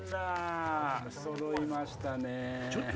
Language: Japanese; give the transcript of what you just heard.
そろいましたね。